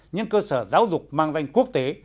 những cơ sở giáo dục mang danh quốc tế